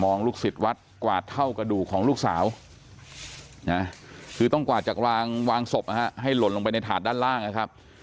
ลูกศิษย์วัดกวาดเท่ากระดูกของลูกสาวคือต้องกวาดจากวางศพให้หล่นลงไปในถาดด้านล่างนะครับ